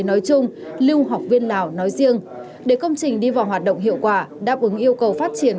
nói chung lưu học viên lào nói riêng để công trình đi vào hoạt động hiệu quả đáp ứng yêu cầu phát triển